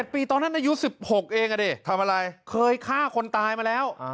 ปีตอนนั้นอายุ๑๖เองอ่ะดิทำอะไรเคยฆ่าคนตายมาแล้ว